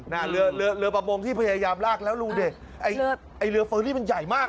น่ะเรือเรือเรือประมงที่พยายามลากแล้วลูกดิไอ้เรือเฟอร์นี่มันใหญ่มากอ่ะ